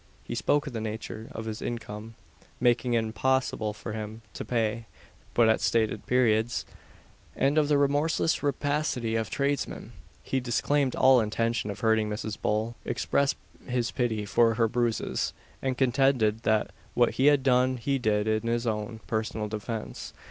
He spoke of the nature of his income making it impossible for him to pay but at stated periods; and of the remorseless rapacity of tradesmen. He disclaimed all intention of hurting Mrs. Bull, expressed his pity for her bruises, and contended that what he had done he did in his own personal defence.